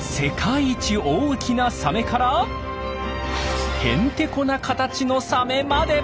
世界一大きなサメから変テコな形のサメまで。